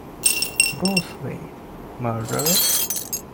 Bruce Wayne: Murderer?